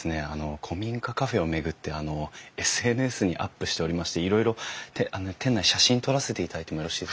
古民家カフェを巡ってＳＮＳにアップしておりましていろいろ店内写真撮らせていただいてもよろしいですか？